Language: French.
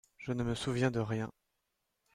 Je ne me souviens de rien.